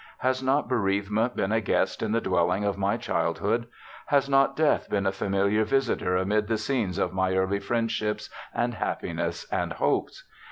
Has not bereavement been a guest in the dwelling of my childhood ; has not death been a familiar visitor amid the scenes of my early friendships and happiness and hopes?